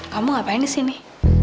kamu ngapain di sini